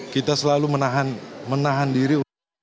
kita selalu menahan diri